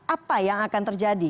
apa yang akan terjadi